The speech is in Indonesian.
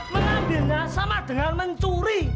mengambilnya sama dengan mencuri